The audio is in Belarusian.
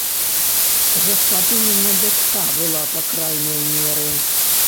Гаспадыніна дачка была па крайняй меры!